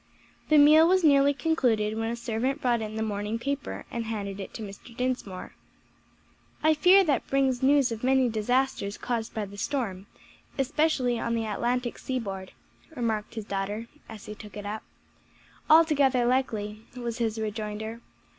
The meal was nearly concluded when a servant brought in the morning paper and handed it to Mr. Dinsmore. "I fear that brings news of many disasters caused by the storm, especially on the Atlantic seaboard," remarked his daughter as he took it up. "Altogether likely," was his rejoinder.